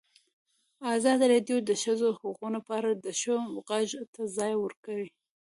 ازادي راډیو د د ښځو حقونه په اړه د ښځو غږ ته ځای ورکړی.